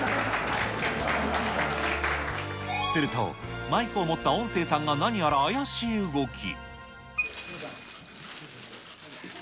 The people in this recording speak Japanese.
すると、マイクを持った音声さんが何やら怪しい動き。